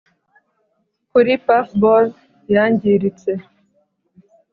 kuri puffball yangiritse